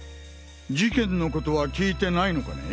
事件のことは聞いてないのかね？